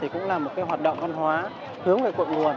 cũng là một hoạt động văn hóa hướng về cội nguồn